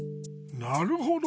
なるほど。